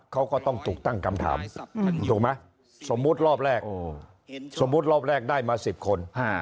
เขาก็ต้องถูกตั้งคำถามถูกไหมสมมุติรอบแรกได้มา๑๐คน